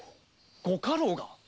ご家老が⁉